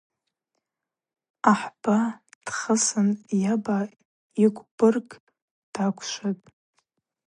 Ахӏба дхысын йаба йыгвбырг даквшватӏ.